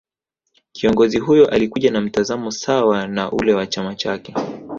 Kiongozi huyo Alikuja na mtazamo sawa na ule wa chama chake